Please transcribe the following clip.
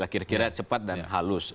kira kira cepat dan halus